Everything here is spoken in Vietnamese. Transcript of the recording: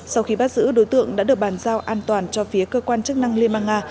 sau khi bắt giữ đối tượng đã được bàn giao an toàn cho phía cơ quan chức năng liên bang nga